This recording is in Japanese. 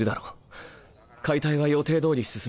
解体は予定どおり進めてくれ。